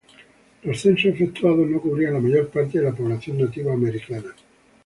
Los censos efectuados no cubrían la mayor parte de la población nativa americana.